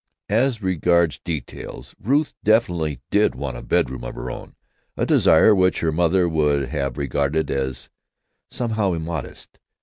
As regards details Ruth definitely did want a bedroom of her own; a desire which her mother would have regarded as somehow immodest.